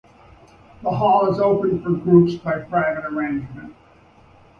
The hall is open for groups by private arrangement.